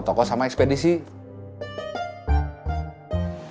ditambah urusan administrasi sama stok